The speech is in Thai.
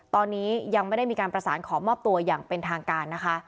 ตอนนี้ยังไม่ได้มีการประสานขอมอบตัวอย่างเป็นทางการนะคะ